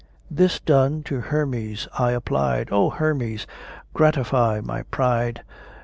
This done, to Hermes I applied: "O Hermes! gratify my pride!